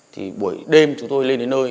thì buổi đêm chúng tôi lên đến nơi